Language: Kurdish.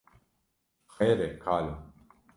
Xêr e kalo